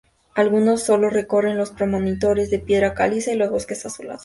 Algunos sólo recorren los promontorios de piedra caliza y los bosques azulados.